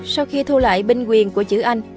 sau khi thu lại binh quyền của chữ anh